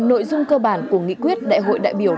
nội dung cơ bản của nghị quyết đại hội đại biểu